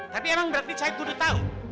tapi emang berarti saya tuh udah tau